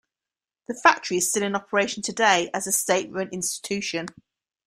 The factory is still in operation today as a state-run institution.